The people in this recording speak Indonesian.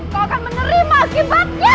kau akan menerima akibatnya